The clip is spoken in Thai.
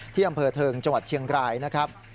ที่อำเภอเทิงจังหวัดเชียงรายนะครับ